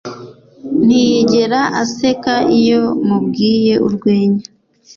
Ntiyigera aseka iyo mubwiye urwenya